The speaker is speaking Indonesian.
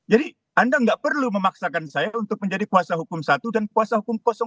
jadi anda nggak perlu memaksakan saya untuk menjadi kuasa hukum satu dan kuasa hukum tiga